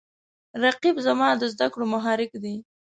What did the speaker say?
رقیب زما د زده کړو محرک دی